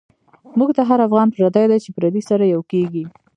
مونږ ته هر افغان پردۍ دۍ، چی پردی سره یو کیږی